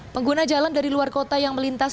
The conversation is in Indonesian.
pengguna jalan dari luar kota yang melintas